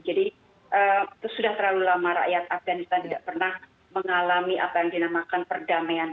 jadi sudah terlalu lama rakyat afghanistan tidak pernah mengalami apa yang dinamakan perdamaian